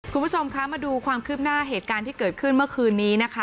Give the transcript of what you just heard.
คุณผู้ชมคะมาดูความคืบหน้าเหตุการณ์ที่เกิดขึ้นเมื่อคืนนี้นะคะ